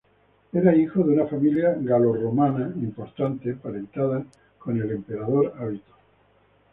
Era hijo de una familia galorromana importante, emparentada con el emperador Avito.